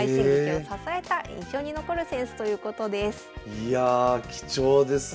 いやあ貴重ですねえ。